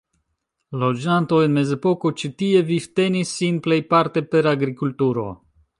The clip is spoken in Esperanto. Loĝantoj en mezepoko ĉi tie vivtenis sin plejparte per agrikulturo.